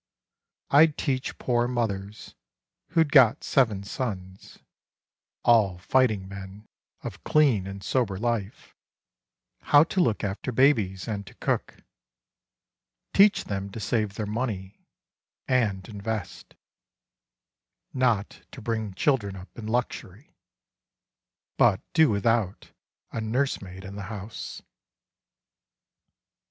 I'd teach poor mothers, who'd got seven sons — All fighting men of clean and sober life — How to look after babies and to cook ; Teach them to save their money, and invest ; Not to bring children up in luxury — But do without a nursemaid in the house